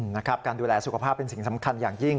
นะครับการดูแลสุขภาพเป็นสิ่งสำคัญอย่างยิ่ง